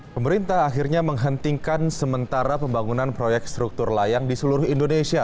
pemerintah akhirnya menghentikan sementara pembangunan proyek struktur layang di seluruh indonesia